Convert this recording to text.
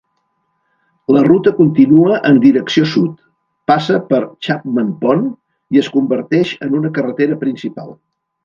La ruta continua en direcció sud, passa per Chapman Pond i es converteix en una carretera principal.